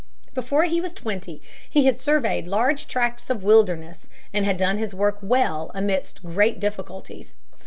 Before he was twenty he had surveyed large tracts of wilderness, and had done his work well amidst great difficulties.